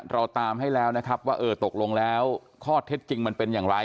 เราตามให้แล้วนะครับว่าเออตกลงแล้วข้อเท็จจริงมันเป็นอย่างไร